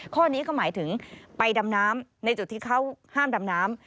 ข้อนี้ก็หมายถึงไปดำน้ำในจุดที่เขาห้ามดำน้ำ